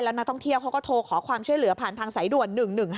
นักท่องเที่ยวเขาก็โทรขอความช่วยเหลือผ่านทางสายด่วน๑๑๕